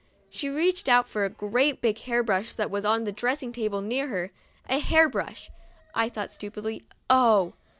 She reached out for a great big hair brush that was on a dressing table near her. " A hair brush," I thought, stupidly. Oh!